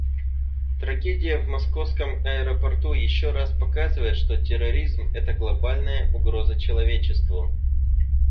Трагедия в московском аэропорту еще раз показывает, что терроризм − это глобальная угроза человечеству.